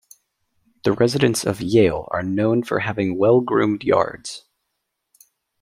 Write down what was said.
The residents of Yale are known for having well-groomed yards.